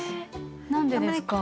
何でですか？